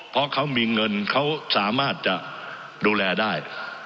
เพราะเขามีเงินเขาสามารถจะดูแลได้